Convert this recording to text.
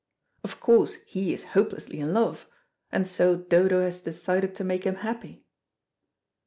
Of course he is hopelessly in love. And so Dodo has decided to make him happy."